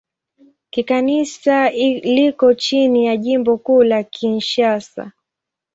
Kikanisa liko chini ya Jimbo Kuu la Kinshasa.